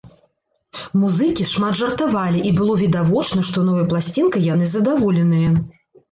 Музыкі шмат жартавалі і было відавочна, што новай пласцінкай яны задаволеныя.